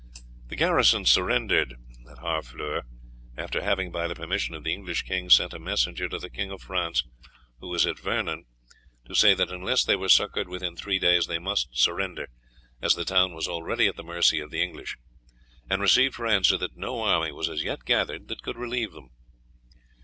The garrison surrendered after having by the permission of the English king sent a messenger to the King of France, who was at Vernon, to say that unless they were succoured within three days they must surrender, as the town was already at the mercy of the English, and received for answer that no army was as yet gathered that could relieve them.